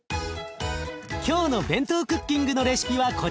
今日のＢＥＮＴＯクッキングのレシピはこちら。